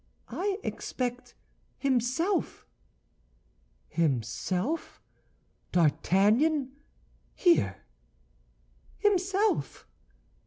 "I expect himself." "Himself? D'Artagnan here?" "Himself!"